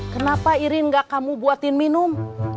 kenapa irin gak kamu buatin minum